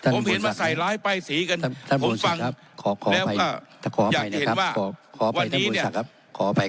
ผมเห็นมาใส่ร้ายป้ายสีกันผมฟังแล้วก็อยากจะเห็นว่าวันนี้เนี่ยขออภัย